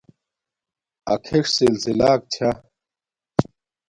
اکھݵݽ سلسِلݳک چھݳ.